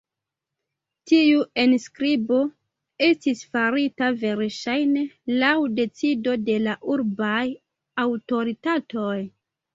Tiu enskribo estis farita verŝajne laŭ decido de la urbaj aŭtoritatoj.